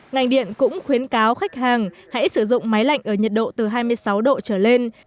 ngành điện cũng khuyến cáo khách hàng hãy sử dụng máy lạnh ở nhiệt độ từ hai mươi sáu độ trở lên